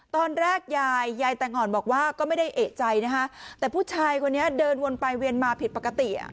ตอนแรกยายยายแต่งอ่อนบอกว่าก็ไม่ได้เอกใจนะคะแต่ผู้ชายคนนี้เดินวนไปเวียนมาผิดปกติอ่ะ